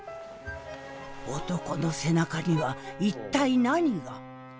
男の背中には一体何が？